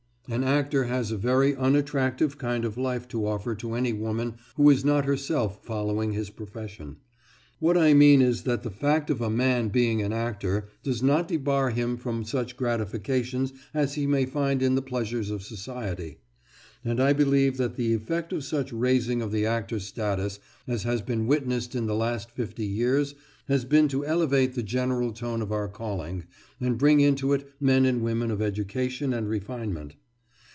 An actor has a very unattractive kind of life to offer to any woman who is not herself following his profession. What I mean is that the fact of a man being an actor does not debar him from such gratification as he may find in the pleasures of society. And I believe that the effect of such raising of the actor's status as has been witnessed in the last fifty years has been to elevate the general tone of our calling and bring into it men and women of education and refinement.